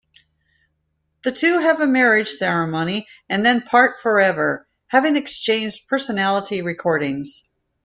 The two have a marriage ceremony and then part forever, having exchanged personality recordings.